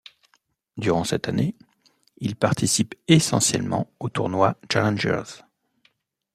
Durant cette année, il participe essentiellement aux tournois Challengers.